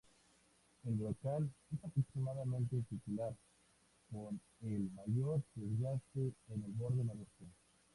El brocal es aproximadamente circular, con el mayor desgaste en el borde noreste.